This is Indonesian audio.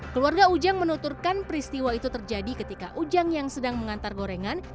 keluarga ujang menuturkan peristiwa itu terjadi ketika ujang yang sedang mengantar gorengan